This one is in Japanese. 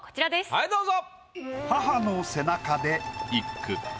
はいどうぞ。